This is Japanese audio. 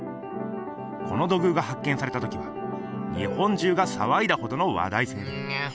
この土偶が発見されたときは日本じゅうがさわいだほどの話題性。